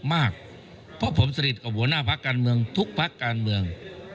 มากเพราะผมสนิทกับหัวหน้าพักการเมืองทุกพักการเมือง